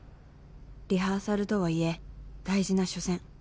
リハーサルとはいえ大事な初戦